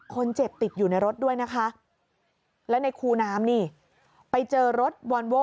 คนเจ็บติดอยู่ในรถด้วยนะคะแล้วในคูน้ำนี่ไปเจอรถวอนโว้